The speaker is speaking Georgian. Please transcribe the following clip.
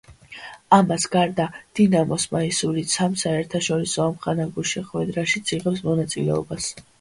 ამას გარდა, „დინამოს“ მაისურით სამ საერთაშორისო ამხანაგურ შეხვედრაშიც იღებს მონაწილეობას.